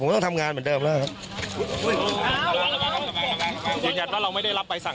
ต้องทำงานเหมือนเดิมแล้วครับยืนยันว่าเราไม่ได้รับใบสั่ง